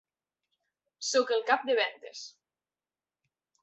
Soc el Cap de vendes.